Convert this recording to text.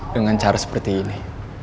dengan cara seperti ini